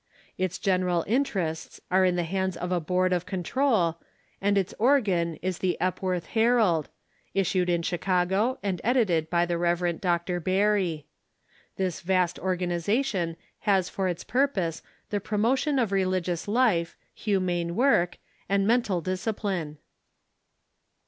Its general interests are in the hands of a Boai'd of Control, and its organ is the Epxoorth Herald, issued in Chicago and edited by the Rev. Dr. Berry. This vast organization has for its jiurpose the promotion of re ligious life, humane work, and mental discipline.